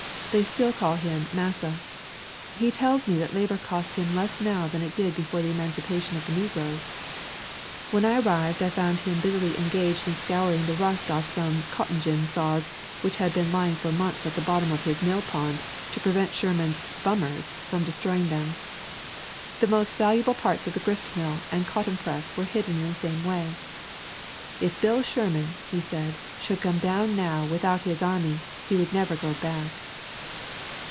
They still call him "Massa." He tells me that labor costs him less now than it did before the emancipation of the negroes. When I arrived I found him busily engaged in scouring the rust off some cotton gin saws which had been ly ing for months at the bottom of his mill pond to prevent Sherman's "bummers" from des [ 60 ] River Country of Georgia troying them. The most valuable parts of the grist mill and cotton press were hidden in the same way. "If Bill Sherman," he said, "should come down now without his army, he would never go back."